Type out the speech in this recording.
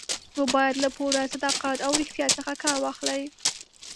نو باید له پوره صداقت او ریښتیا څخه کار واخلئ.